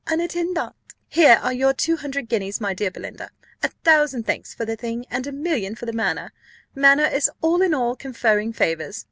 En attendant here are your two hundred guineas, my dear Belinda: a thousand thanks for the thing, and a million for the manner manner is all in all in conferring favours.